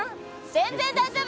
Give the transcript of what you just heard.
全然大丈夫！